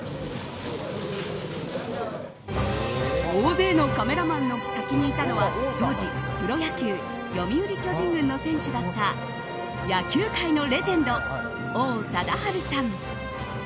大勢のカメラマンの先にいたのは当時、プロ野球読売巨人軍の選手だった野球界のレジェンド王貞治さん。